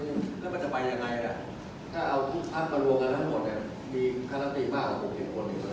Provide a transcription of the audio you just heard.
แล้วมันจะไปยังไงล่ะถ้าเอาทุกท่านมารวมกันทั้งหมวดเนี่ยมีการตัดสินใจมากกว่าปกติของคนอื่นเลย